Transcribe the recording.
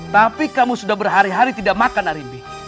tapi kamu sudah berhari hari tidak makan arimbi